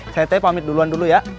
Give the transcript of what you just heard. saya t pamit duluan dulu ya